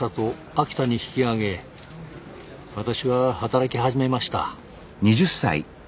私は働き始めました。